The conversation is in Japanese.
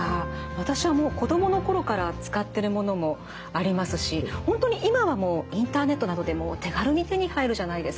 私はもう子供の頃から使ってるものもありますし本当に今はもうインターネットなどでも手軽に手に入るじゃないですか。